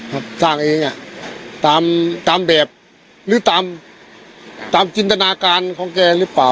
ครับสร้างเองอ่ะตามตามแบบหรือตามตามจินตนาการของแกหรือเปล่า